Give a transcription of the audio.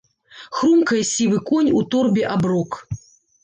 Хрумкае сівы конь у торбе аброк.